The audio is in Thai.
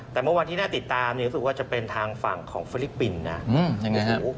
แต่เมื่อวันที่น่าติดตามเนี่ยรู้สึกว่าจะเป็นทางฝั่งของฟิลิปปินส์นะ